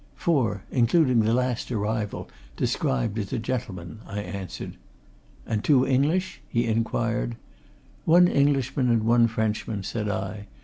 "Four including the last arrival, described as a gentleman," I answered. "And two English?" he inquired. "One Englishman, and one Frenchman," said I.